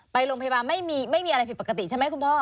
ไปโรงพยาบาลไม่มีอะไรผิดปกติใช่ไหมคุณพ่อ